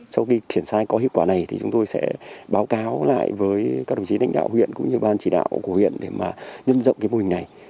sau khi kiểm tra có hiệu quả này thì chúng tôi sẽ báo cáo lại với các đồng chí đánh đạo huyện cũng như ban chỉ đạo của huyện để mà dân dọng cái mô hình này